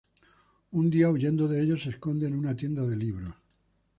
Un día, huyendo de ellos, se esconde en una tienda de libros.